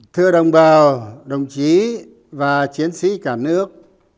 thưa đồng bào đồng chí và chiến sĩ cả nước